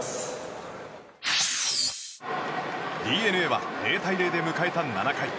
ＤｅＮＡは０対０で迎えた７回。